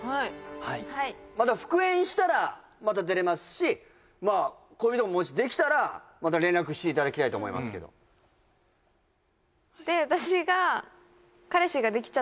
はいまた復縁したらまた出れますしまあ恋人がもしできたらまた連絡していただきたいと思いますけどで私がえ！